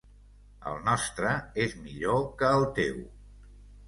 El nostre és millor que el teu.